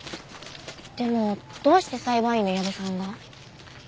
でもどうして裁判員の矢部さんが？